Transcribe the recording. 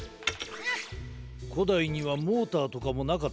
こだいにはモーターとかもなかったからな。